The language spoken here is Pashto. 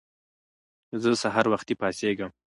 زه سهار وختی پاڅیږم